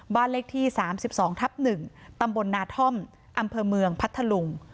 บ้านเลขที่๓๒ทับ๑ตำบลนาท่อมอำเภอเมืองพัทธลุง